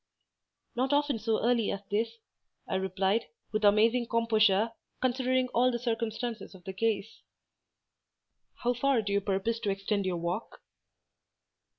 "Not often so early as this," I replied, with amazing composure, considering all the circumstances of the case. "How far do you purpose to extend your walk?"